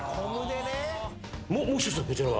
もう一つはこちらは。